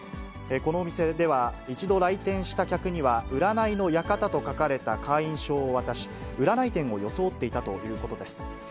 このお店では、一度来店した客には、占いの館と書かれた会員証を渡し、占い店を装っていたということです。